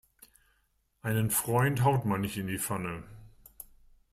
Einen Freund haut man nicht in die Pfanne.